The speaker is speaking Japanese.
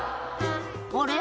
「あれ？